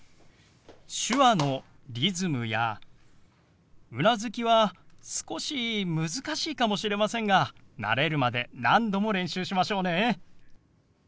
手話のリズムやうなずきは少し難しいかもしれませんが慣れるまで何度も練習しましょうね。